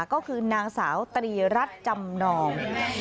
ก็คือนางสาวตรีรัฐจำนอง